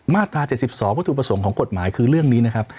มาตรา๗๒วัตถุประสงค์ของกฎหมายคือเรื่องนี้นะครับ